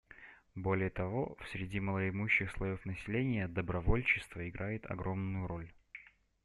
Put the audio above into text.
Более того, в среде малоимущих слоев населения добровольчество играет огромную роль.